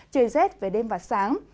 trời rét về đêm và sáng